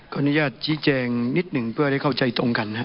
อนุญาตชี้แจงนิดหนึ่งเพื่อได้เข้าใจตรงกันนะครับ